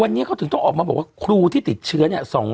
วันนี้เขาถึงต้องออกมาบอกว่าครูที่ติดเชื้อเนี่ย